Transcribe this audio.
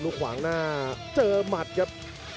ขวางหน้าเจอหมัดครับ